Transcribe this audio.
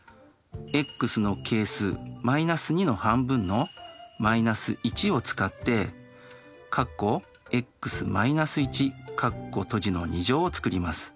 ｘの係数−２の半分の−１を使ってを作ります。